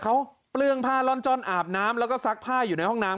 เขาเปลื้องผ้าล่อนจ้อนอาบน้ำแล้วก็ซักผ้าอยู่ในห้องน้ำ